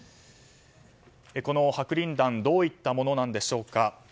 この白リン弾どういったものなんでしょうか。